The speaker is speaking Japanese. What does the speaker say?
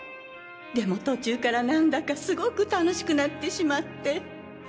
でも途中から何だかすごく楽しくなってしまって。